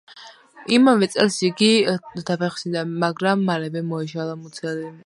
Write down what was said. იმავე წელს იგი დაფეხმძიმდა, მაგრამ მალევე მოეშალა მუცელი.